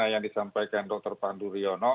yang disampaikan dr panduryono